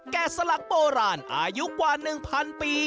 สลักโบราณอายุกว่า๑๐๐ปี